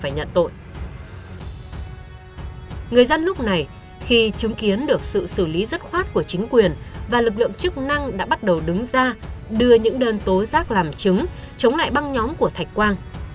người dân lúc này khi chứng kiến được sự xử lý dứt khoát của chính quyền và lực lượng chức năng đã bắt đầu đứng ra đưa những đơn tố giác làm chứng chống lại băng nhóm của thạch quang